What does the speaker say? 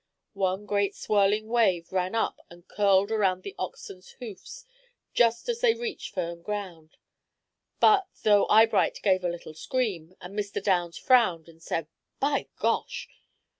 One great swirling wave ran up and curled around the oxen's hoofs just as they reached firm ground, but, though Eyebright gave a little scream, and Mr. Downs frowned and said, "by gosh!"